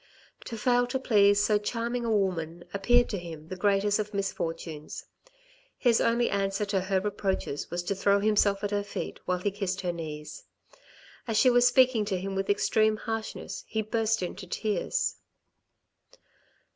To fail to please so charming a woman appeared to him the greatest of misfortunes. His only answer to her reproaches was to throw himself at her feet while he kissed her knees. As she was speaking to him with extreme harshness, he burst into tears.